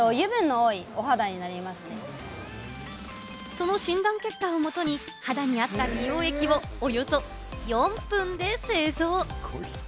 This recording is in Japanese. その診断結果をもとに肌に合った美容液をおよそ４分で製造。